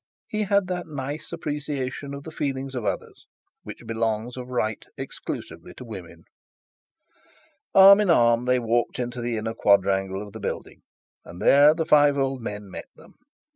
He had that nice appreciation of the feelings of others which belongs of right exclusively to women. Arm in arm they walked into the inner quadrangle of the building, and there the five old men met them.